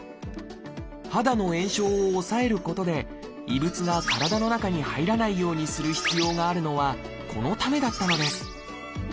肌の炎症を抑えることで異物が体の中に入らないようにする必要があるのはこのためだったのです。